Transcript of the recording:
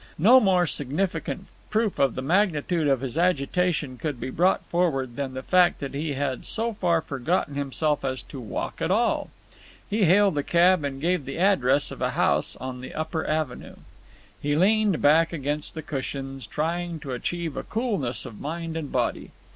No more significant proof of the magnitude of his agitation could be brought forward than the fact that he had so far forgotten himself as to walk at all. He hailed a cab and gave the address of a house on the upper avenue. He leaned back against the cushions, trying to achieve a coolness of mind and body.